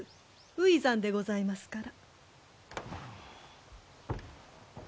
初産でございますから。